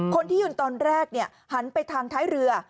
คนที่ยืนตอนแรกหันไปทางท้ายเรือ